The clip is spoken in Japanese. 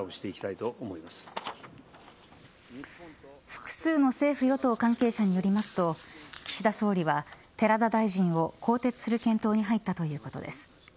複数の政府与党関係者によりますと岸田総理は寺田大臣を更迭する検討に入ったということです。